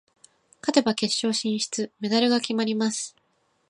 勝てば決勝進出、メダルが決まります。